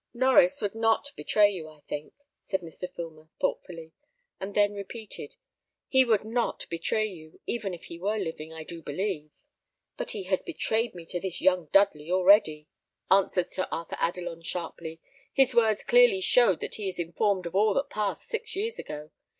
"Norries would not betray you, I think," said Mr. Filmer, thoughtfully; and then repeated, "he would not betray you, even if he were living, I do believe." "But he has betrayed me to this young Dudley already," answered Sir Arthur Adelon, sharply. "His words clearly showed that he is informed of all that passed six years ago.